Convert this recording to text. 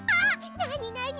なになに？